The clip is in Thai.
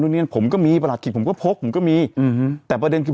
เนียนผมก็มีประหลัดผมก็พกผมก็มีอืมแต่ประเด็นคือ